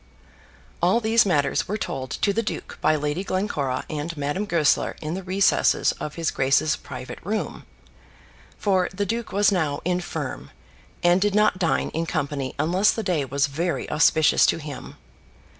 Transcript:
All these matters were told to the duke by Lady Glencora and Madame Goesler in the recesses of his grace's private room; for the duke was now infirm, and did not dine in company unless the day was very auspicious to him.